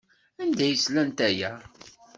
Anda ay slant aya?